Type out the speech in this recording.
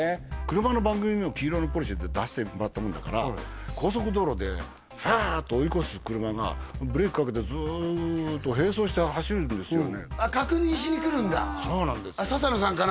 車の番組でも黄色のポルシェで出してもらったもんだから高速道路でファーッと追い越す車がブレーキかけてずっと並走して走るんですよねそうなんですよ笹野さんかな？